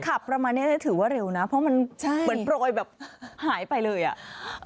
ประมาณเนี้ยจะถือว่าเร็วนะเพราะมันใช่เหมือนโปรยแบบหายไปเลยอ่ะ